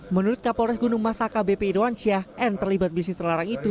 menurut kapolres gunung mas akbp idoansyah n terlibat bisnis terlarang itu